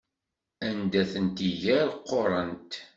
Anda tent-iger qquṛent.